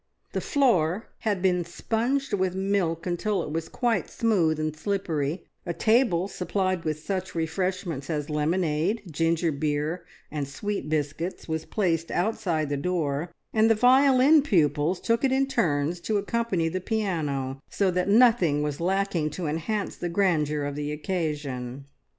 The floor had been sponged with milk until it was quite smooth and slippery, a table supplied with such refreshments as lemonade, ginger beer, and sweet biscuits, was placed outside the door, and the violin pupils took it in turns to accompany the piano, so that nothing was lacking to enhance the grandeur of the occasion.